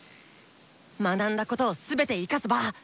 学んだことを全て生かす場！